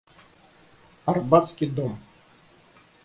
Арбатский дом.